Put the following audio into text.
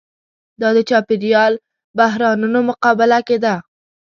دا د چاپېریال بحرانونو مقابله کې ده.